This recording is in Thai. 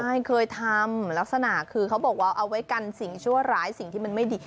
ใช่เคยทำลักษณะคือเขาบอกว่าเอาไว้กันสิ่งชั่วร้ายสิ่งที่มันไม่ดี